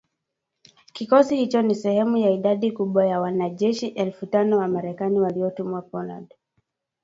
Kikosi hicho ni sehemu ya idadi kubwa ya wanajeshi elfu tano wa Marekani waliotumwa Poland